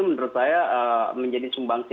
menurut saya menjadi sumbangsi